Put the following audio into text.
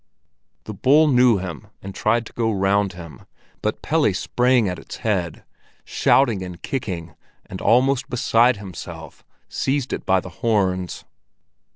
The bull knew him and tried to go round him, but Pelle sprang at its head, shouting and kicking and almost beside himself, seized it by the horns.